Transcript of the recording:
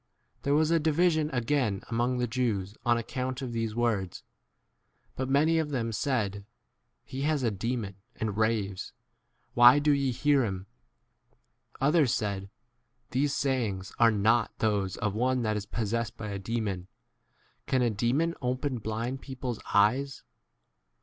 19 There was a division u again among the Jews on account of these 20 words ; but many of them said, He has a demon and raves ; why 21 do ye hear him ? Others said, These sayings are not [those] of one that is possessed by a demon. Can a demon open blind people's 22 eyes